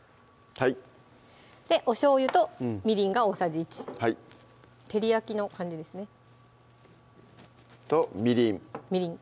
はいおしょうゆとみりんが大さじ１照り焼きの感じですねとみりんみりん